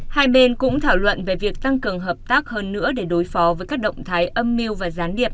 hai bên cũng thảo luận về việc tăng cường hợp tác hơn nữa để đối phó với các động thái âm mưu và gián điệp